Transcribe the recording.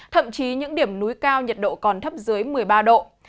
thậm chí những điểm núi cao nhiệt độ còn thấp dưới một mươi ba độ